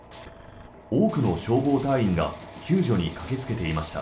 多くの消防隊員が救助に駆けつけていました。